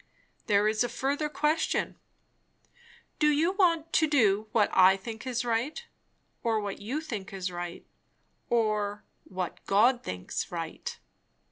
"There is a further question. Do you want to do what I think right, or what you think right, or what God thinks right?"